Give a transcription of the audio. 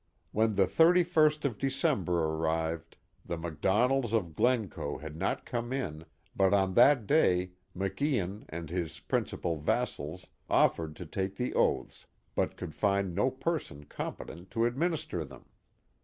When the ihirly first of December arrived, the MacDonalds of Glencoe had not come in. but on that day Maclan and his principal vassals offered to lake the oaths, but could find no person competent to administer them.